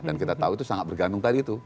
dan kita tahu itu sangat bergantung tadi tuh